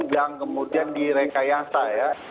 yang kemudian direkayasa